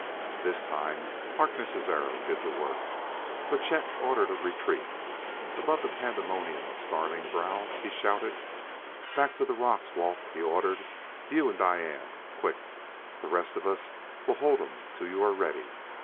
This time Harkness' arrow did the work, but Chet ordered a retreat. Above the pandemonium of snarling growls, he shouted. "Back to the rocks, Walt," he ordered; "you and Diane! Quick! The rest of us will hold 'em till you are ready.